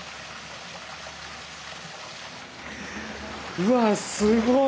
うわすごい！